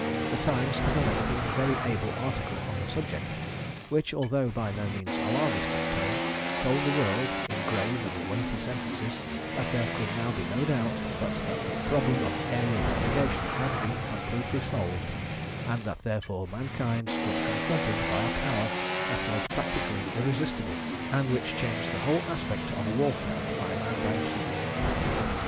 The Times had a lengthy and very able article on the subject, which, although by no means alarmist in tone, told the world, in grave and weighty sentences, that there could now be no doubt but that the problem of aërial navigation had been completely solved, and that therefore mankind stood confronted by a power that was practically irresistible, and which changed the whole aspect of warfare by land and sea.